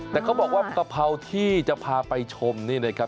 แต่เขาบอกว่ากะเพราที่จะพาไปชมนี่นะครับ